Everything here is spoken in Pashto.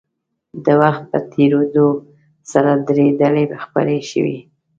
د وخت په تېرېدو سره درې ډلې خپرې شوې.